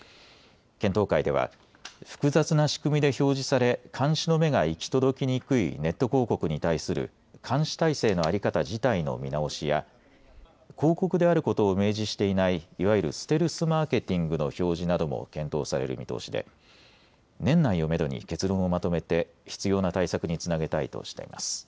検討会では複雑な仕組みで表示され監視の目が行き届きにくいネット広告に対する監視体制の在り方自体の見直しや広告であることを明示していないいわゆるステルスマーケティングの表示なども検討される見通しで年内をめどに結論をまとめて必要な対策につなげたいとしています。